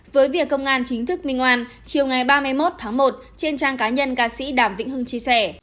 với việc công an chính thức minh oan chiều ngày ba mươi một tháng một trên trang cá nhân ca sĩ đàm vĩnh hưng chia sẻ